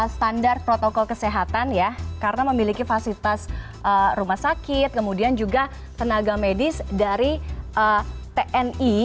standar protokol kesehatan ya karena memiliki fasilitas rumah sakit kemudian juga tenaga medis dari tni